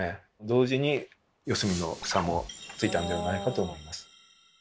同時に四隅の房もついたんではないかと思います。